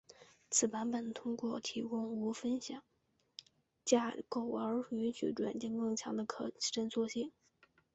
此版本通过提供无分享架构而允许软件更强的可伸缩性。